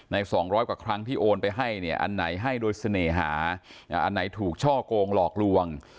๒๐๐กว่าครั้งที่โอนไปให้เนี่ยอันไหนให้โดยเสน่หาอันไหนถูกช่อกงหลอกลวง